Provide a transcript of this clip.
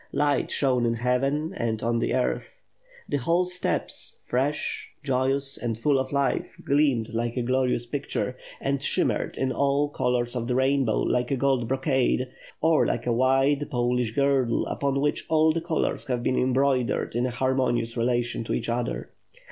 Light shone in heaven and on the earth. The whole steppes, fresh, joyous, and full of life, gleamed like a glorious picture, and shimmered in all colors of the rainbow, like a gold brocade, or like a wide Polish girdle, upon which all the colors have been embroidered in harmonious relation to each other.